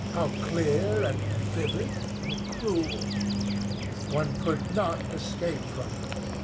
How clear, and vivid, and cruel! One could not escape from them.